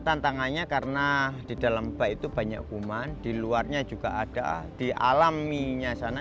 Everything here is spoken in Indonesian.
tantangannya karena di dalam bak itu banyak kuman di luarnya juga ada di alaminya sana